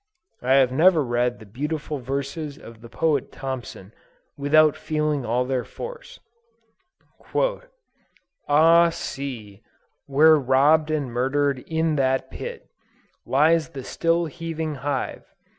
I have never read the beautiful verses of the poet Thompson, without feeling all their force: "Ah, see, where robbed and murdered in that pit Lies the still heaving hive!